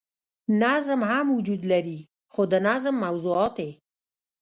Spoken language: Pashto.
نظم هم وجود لري خو د نظم موضوعات ئې